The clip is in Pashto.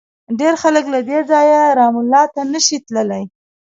ډېر خلک له دې ځایه رام الله ته نه شي تللی.